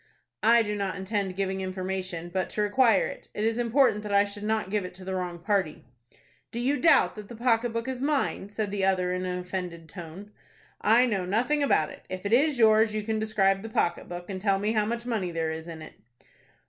"I do not intend giving information, but to require it. It is important that I should not give it to the wrong party." "Do you doubt that the pocket book is mine?" said the other, in an offended tone. "I know nothing about it. If it is yours you can describe the pocket book, and tell me how much money there is in it."